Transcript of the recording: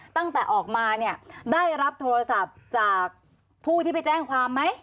ตั้งแต่ออกมาเนี่ยได้รับโทรศัพท์จากผู้ที่ไปแจ้งความไหม